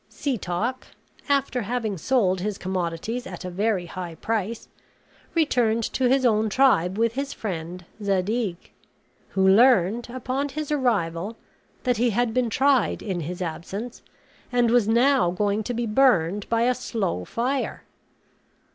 Setoc, after having sold his commodities at a very high price, returned to his own tribe with his friend Zadig; who learned, upon his arrival, that he had been tried in his absence, and was now going to be burned by a slow fire.